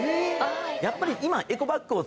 やっぱり今。